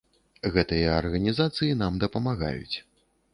Гэтыя арганізацыі нам дапамагаюць.